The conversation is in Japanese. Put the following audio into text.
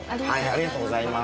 ありがとうございます。